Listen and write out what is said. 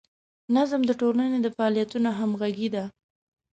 نظم د ټولنې د فعالیتونو همغږي ده.